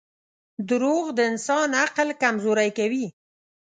• دروغ د انسان عقل کمزوری کوي.